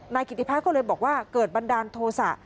กิติพัฒน์ก็เลยบอกว่าเกิดบันดาลโทษะ